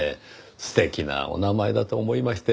素敵なお名前だと思いまして。